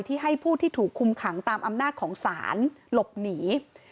ให้ผู้ที่ถูกคุมขังตามอำนาจของศาลหลบหนี